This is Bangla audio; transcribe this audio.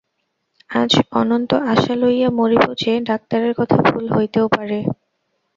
আজ অনন্ত আশা লইয়া মরিব যে, ডাক্তারের কথা ভুল হইতেও পারে।